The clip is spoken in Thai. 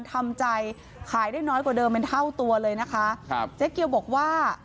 ทำใจขายได้น้อยกว่าเดิมเป็นเท่าตัวเลยนะคะครับเจ๊เกียวบอกว่า